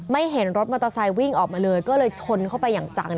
เห็นรถมอเตอร์ไซค์วิ่งออกมาเลยก็เลยชนเข้าไปอย่างจัง